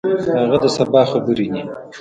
هغه د سبا خبرې دي.